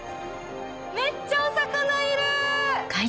めっちゃお魚いる！